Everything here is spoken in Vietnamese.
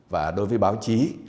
và đối với báo chí